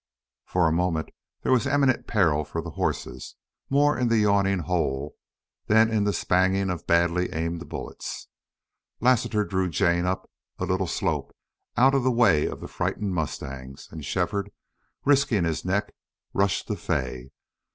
For a moment there was imminent peril for the horses, more in the yawning hole than in the spanging of badly aimed bullets. Lassiter drew Jane up a little slope out of the way of the frightened mustangs, and Shefford, risking his neck, rushed to Fay.